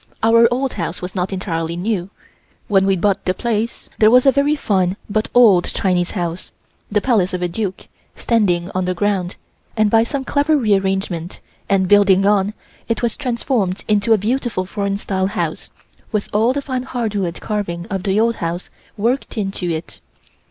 Our old house was not entirely new. When we bought the place there was a very fine but old Chinese house, the palace of a Duke, standing on the ground, and by some clever re arrangement and building on, it was transformed into a beautiful foreign style house with all the fine hardwood carving of the old house worked into it.